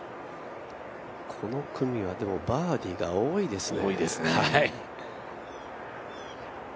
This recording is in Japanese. この組は、でもバーディーが多いですね。